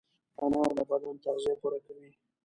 انار د بدن تغذیه پوره کوي.